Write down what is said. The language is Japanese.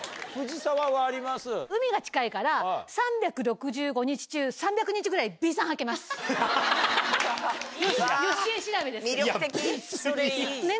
海が近いから、３６５日中３００日ぐらい、佳恵調べですね。